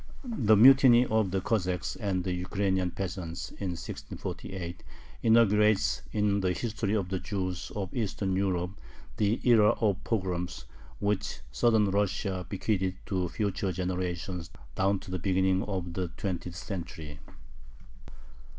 The mutiny of the Cossacks and the Ukrainian peasants in 1648 inaugurates in the history of the Jews of Eastern Europe the era of pogroms, which Southern Russia bequeathed to future generations down to the beginning of the twentieth century.